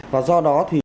và do đó thì